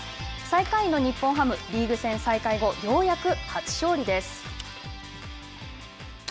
最下位の日本ハムリーグ戦再開後ようやく初勝利です。